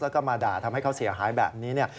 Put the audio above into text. แล้วก็มาด่าทำให้เขาเสียหายแบบนี้เนี่ย